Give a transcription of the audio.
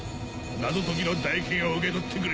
謎解きの代金を受け取ってくれ。